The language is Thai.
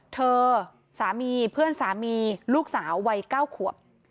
สามีเพื่อนสามีลูกสาววัย๙ขวบ